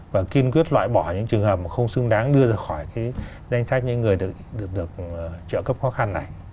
và kiên quyết loại bỏ những trường hợp mà không xứng đáng đưa ra khỏi danh sách những người được trợ cấp khó khăn này